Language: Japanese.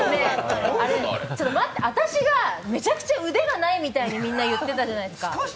ちょっと待って、私がめちゃめちゃ腕がない人みたいにみんな言うじゃないですか。